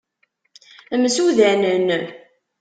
Msudanen.